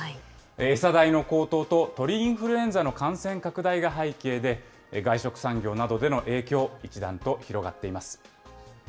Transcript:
餌代の高騰と、鳥インフルエンザの感染拡大が背景で、外食産業などでの影響、一段と広がっています。